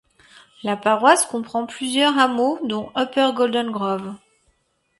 La paroisse comprend plusieurs hameaux, dont Upper Golden Grove.